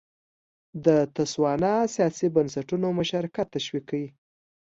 د تسوانا سیاسي بنسټونو مشارکت تشویق کړ.